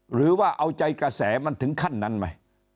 หรือว่าเอาใจกระแสมันถึงขั้นนั้นไหม